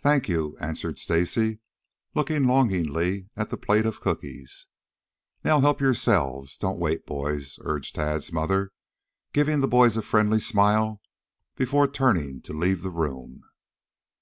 "Thank you," answered Stacy, looking longingly at the plate of cookies. "Now help yourselves. Don't wait, boys," urged Tad's mother, giving the boys a friendly smile before turning to leave the room.